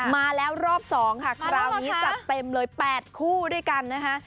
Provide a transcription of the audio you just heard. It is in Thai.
มาแล้วรอบ๒ค่ะคราวนี้จัดเต็มเลย๘คู่ด้วยกันนะคะ